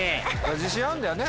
自信あんだよね？